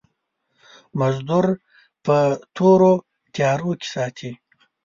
مزدور په تورو تيارو کې ساتي.